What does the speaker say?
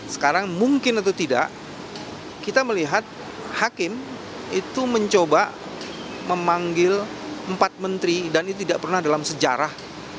sekarang mungkin atau tidak kita melihat hakim itu mencoba memanggil empat menteri dan itu tidak pernah dalam sejarah